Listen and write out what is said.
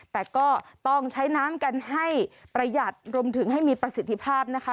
แต่ก็ต้องใช้น้ำกันให้ประหยัดรวมถึงให้มีประสิทธิภาพนะคะ